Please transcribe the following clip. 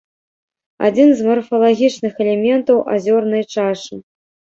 Адзін з марфалагічных элементаў азёрнай чашы.